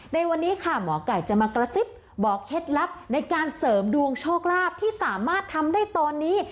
ในวันนี้ค่ะหมอไก่จะมากระซิบบอกเคล็ดลับในการเสริมดวงโชคลาภที่สามารถทำได้ตอนนี้